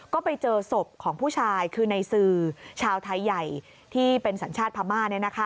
ก็ไปเจอศพของผู้ชายคือในสื่อชาวไทยใหญ่ที่เป็นสัญชาติพม่า